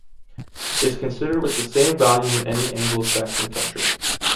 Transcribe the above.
Is considered with the same value in any Anglo-Saxon country.